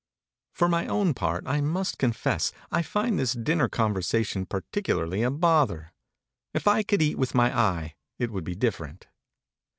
For my own part, I must confess I find this dinner conversation particularly a bother. If I could eat with my eye it would be different.